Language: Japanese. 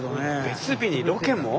別日にロケも？